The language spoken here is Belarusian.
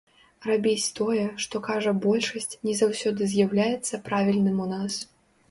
Рабіць тое, што кажа большасць, не заўсёды з'яўляецца правільным у нас.